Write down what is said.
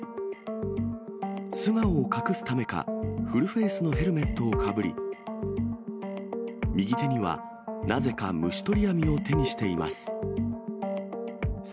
素顔を隠すためか、フルフェースのヘルメットをかぶり、右手には、なぜか虫取り網を手にしています。